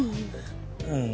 うん。